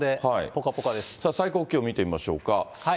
最高気温見てみましょうか。